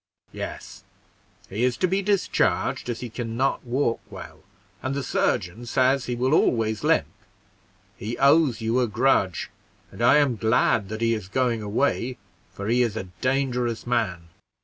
"Yes; he is to be discharged as he can not walk well, and the surgeon says he will always limp. He owes you a grudge, and I am glad that he is going away, for he is a dangerous man.